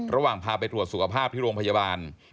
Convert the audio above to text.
ระหว่างพาไปตรวจสุขภาพที่โรงพยาบาล